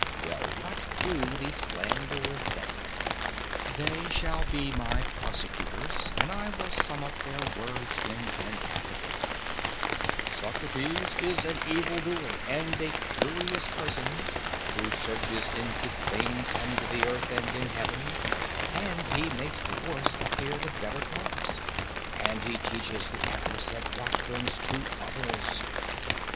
Well, what do the slanderers say? They shall be my prosecutors, and I will sum up their words in an affidavit: "Socrates is an evil doer, and a curious person, who searches into things under the earth and in heaven, and he makes the worse appear the better cause; and he teaches the aforesaid doctrines to others."